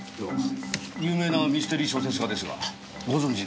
有名なミステリー小説家ですがご存じない？